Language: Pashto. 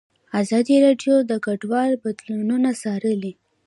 ازادي راډیو د کډوال بدلونونه څارلي.